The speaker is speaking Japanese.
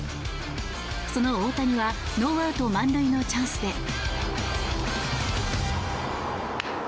その大谷はノーアウト満塁のチャンスで。